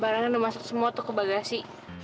barangnya udah masuk semua tuh ke bagasi